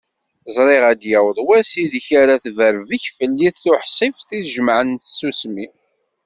Ẓriɣ ad d-yaweḍ wass i deg ara tebberbek fell-i tuḥsift i jemaɛen s tsusmi.